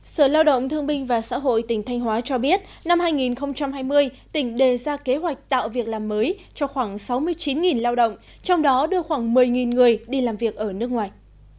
sở lao động thương binh và xã hội tỉnh thanh hóa cho biết năm hai nghìn hai mươi tỉnh đề ra kế hoạch tạo việc làm mới cho khoảng sáu mươi chín lao động trong đó đưa khoảng một mươi người đi làm việc ở nước ngoài